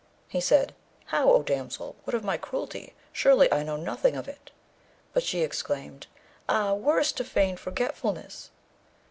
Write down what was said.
He said, 'How, O damsel? what of my cruelty? Surely, I know nothing of it.' But she exclaimed, 'Ah, worse to feign forgetfulness!'